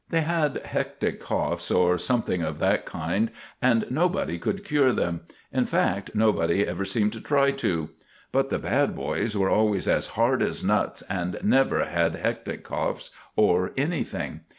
They had hectic coughs or something of that kind, and nobody could cure them—in fact, nobody ever seemed to try to; but the bad boys were always as hard as nuts and never had hectic coughs or anything.